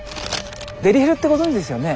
デリヘルってご存じですよね？